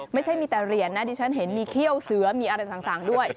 ไม่ใช่มีแต่เหรียญนะดิฉันเห็นมีเขี้ยวเสือมีอะไรต่างด้วย